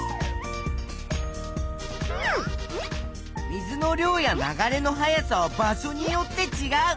水の量や流れの速さは場所によってちがう。